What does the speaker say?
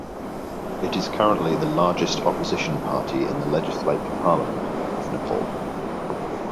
It is currently the largest opposition party in the Legislature Parliament of Nepal.